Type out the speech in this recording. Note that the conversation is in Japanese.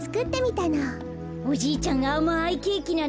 おじいちゃんあまいケーキなんだよ。